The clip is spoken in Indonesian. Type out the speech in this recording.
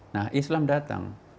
nah islam datang